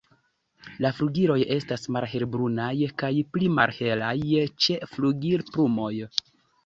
La flugiloj estas malhelbrunaj kaj pli malhelaj ĉe flugilplumoj.